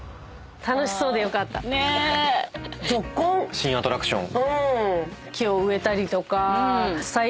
新アトラクション。